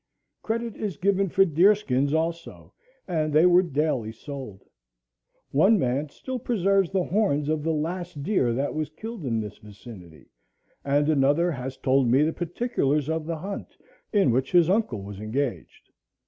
Credit is given for deer skins also, and they were daily sold. One man still preserves the horns of the last deer that was killed in this vicinity, and another has told me the particulars of the hunt in which his uncle was engaged.